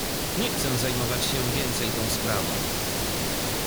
"„Nie chcę zajmować się więcej tą sprawą."